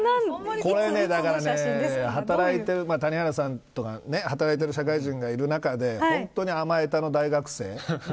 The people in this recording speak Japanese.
これ、働いてる谷原さんとか働いてる社会人がいる中で本当に甘えたの大学生。